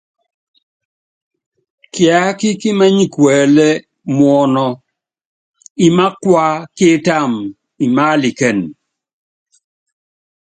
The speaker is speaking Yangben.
Kiákí kí mɛnyikuɛlɛ, muɔnɔ́, ima̰kúa kiptama ímalikɛ́n.